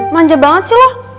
manja banget sih lo